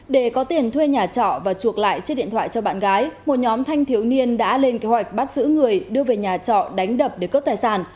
để có tiền thuê nhà trọ và chuộc lại chiếc điện thoại cho bạn gái một nhóm thanh thiếu niên đã lên kế hoạch bắt giữ người đưa về nhà trọ đánh đập để cướp tài sản